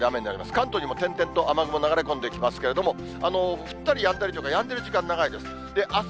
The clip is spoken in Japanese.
関東にも点々と雨雲、流れ込んできますけれども、降ったりやんだりとか、やんでる時間長いです。